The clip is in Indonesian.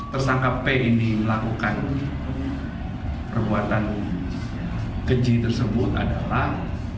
tersangka p ini melakukan perbuatan keji tersebut adalah